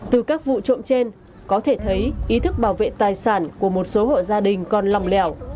từ các vụ trộm trên có thể thấy ý thức bảo vệ tài sản của một số hộ gia đình còn lòng lẻo